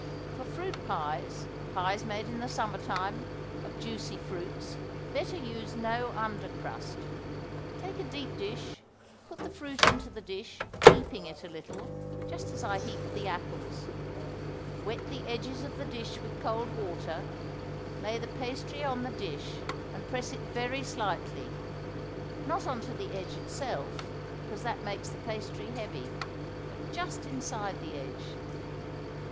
For fruit pies pies made in the summer time, of juicy fruits better use no under crust. Take a deep dish; put the fruit into the dish, heaping it a little, just as I heaped the apples; wet the edges of the dish with cold water; lay the pastry on the dish and press it very slightly, not on the edge itself, because that makes the pastry heavy, but just inside of the edge.